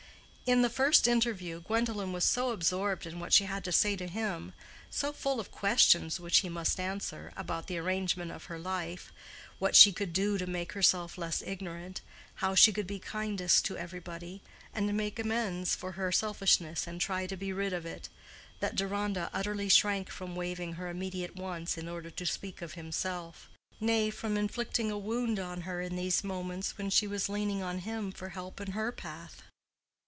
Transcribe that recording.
In the first interview Gwendolen was so absorbed in what she had to say to him, so full of questions which he must answer, about the arrangement of her life, what she could do to make herself less ignorant, how she could be kindest to everybody, and make amends for her selfishness and try to be rid of it, that Deronda utterly shrank from waiving her immediate wants in order to speak of himself, nay, from inflicting a wound on her in these moments when she was leaning on him for help in her path.